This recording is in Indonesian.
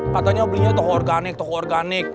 katanya belinya toko organik toko organik